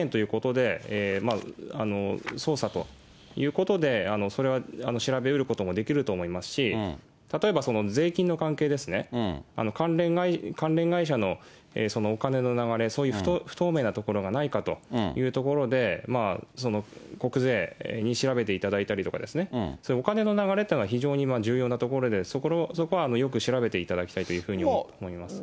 何か刑事事件化しうる部分を見つけて、刑事事件ということで捜査ということで、それは調べうることもできると思いますし、例えば税金の関係ですね、関連会社のお金の流れ、そういう不透明なところがないかというところで、国税に調べていただいたりとか、そういうお金の流れというのは非常に重要なところで、そこはよく調べていただきたいというふうに思います。